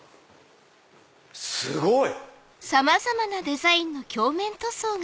すごい！